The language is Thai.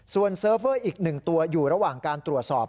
ส่วนเซิร์ฟเวอร์อีก๑ตัวอยู่ระหว่างการตรวจสอบ